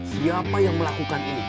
siapa yang melakukan ini